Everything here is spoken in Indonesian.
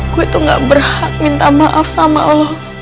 gue tuh gak berhak minta maaf sama lo